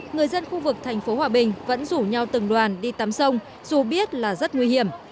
người dân khu vực thành phố hòa bình vẫn rủ nhau từng đoàn đi tắm sông dù biết là rất nguy hiểm